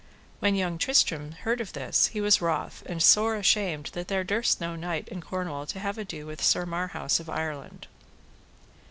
When young Tristram heard of this he was wroth, and sore ashamed that there durst no knight in Cornwall have ado with Sir Marhaus of Ireland.